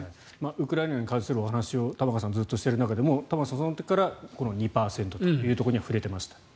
ウクライナに関するお話を玉川さん、ずっとしている中でその時からこの２％というところには触れていました。